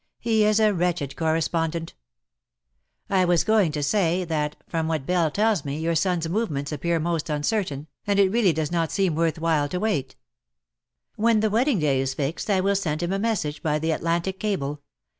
He is a wretched correspondent." *^ I was going to say, that, from what Belle tells me, vour son's movements appear most uncertain, and it really does not seem worth while to wait." " When the wedding day is fixed, I will send him a message by the Atlantic cable.